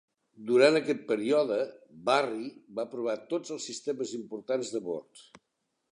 Durant aquest període, "Barry" va provar tots els sistemes importants de bord.